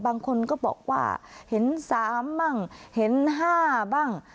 บางคนก็บอกว่าเห็น๓บ้างเห็น๕บ้าง